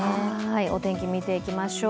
お天気見ていきましょう。